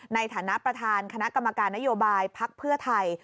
ในฐานะประธานคณะกรรมการนโยบายพักเพื่อไทย